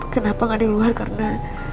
kenapa nggak di luar karena